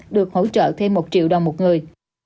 được hỗ trợ thêm một triệu đồng một người